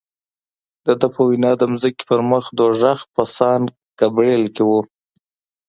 د ده په وینا د ځمکې پر مخ دوزخ په سان ګبرېل کې و.